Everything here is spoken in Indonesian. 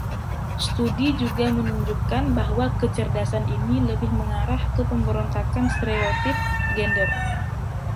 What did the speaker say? Studi juga menunjukkan bahwa kecerdasan ini lebih mengarah ke pemberontakan stereotip gender.